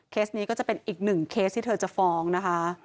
นี้ก็จะเป็นอีกหนึ่งเคสที่เธอจะฟ้องนะคะ